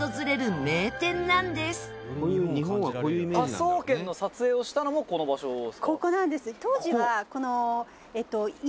「『科捜研』の撮影をしたのもこの場所ですか？」